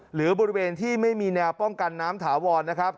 หรือบริเวณที่ไม่มีแนวป้องกันน้ำถาวรนะครับ